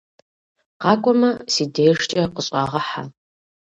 Къакӏуэмэ, си дежкӀэ къыщӀэгъэхьэ.